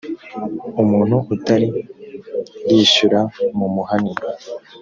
umuntu utari rishyura mumuhane.